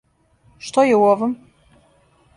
Што је у овом?